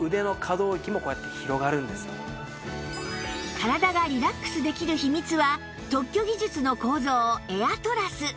体がリラックスできる秘密は特許技術の構造エアトラス